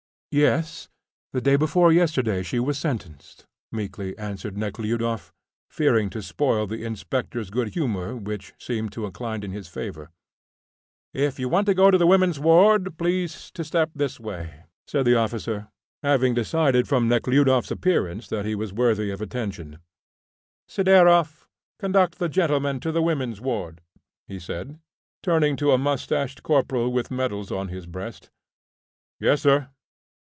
"Yes; the day before yesterday she was sentenced," meekly answered Nekhludoff, fearing to spoil the inspector's good humour, which seemed to incline in his favour. "If you want to go to the women's ward please to step this way," said the officer, having decided from Nekhludoff's appearance that he was worthy of attention. "Sideroff, conduct the gentleman to the women's ward," he said, turning to a moustached corporal with medals on his breast. "Yes, sir."